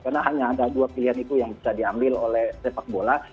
karena hanya ada dua pilihan itu yang bisa diambil oleh sepak bola